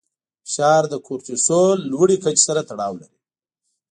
فشار د کورټیسول لوړې کچې سره تړاو لري.